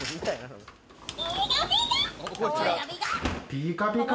ピカピカ。